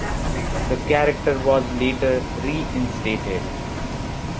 The character was later reinstated.